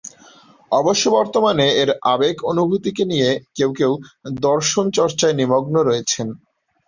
অবশ্য বর্তমানে এর আবেগ-অনুভূতিকে নিয়ে কেউ কেউ দর্শনচর্চায় নিমগ্ন রয়েছেন।